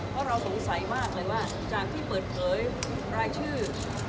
เพราะเราสงสัยมากเลยว่าจากที่เปิดเผยรายชื่อ